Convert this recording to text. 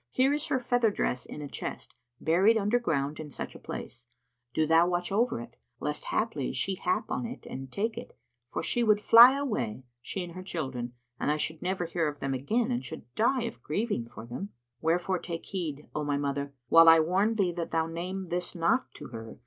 Here is her feather dress in a chest, buried under ground in such a place; do thou watch over it, lest haply she hap on it and take it, for she would fly away, she and her children, and I should never hear of them again and should die of grieving for them; wherefore take heed, O my mother, while I warn thee that thou name this not to her.